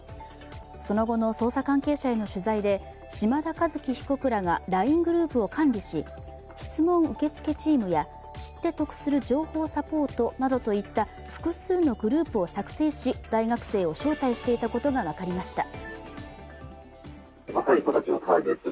その後の捜査関係者への取材で、島田和樹被告らがＬＩＮＥグループを管理し質問受付チームや知って得する情報サポートなどといった複数のグループを作成し、大学生を招待していたことが分かりました。